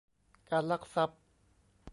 การลักทรัพย์